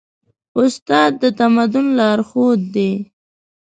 استاد د تمدن لارښود دی.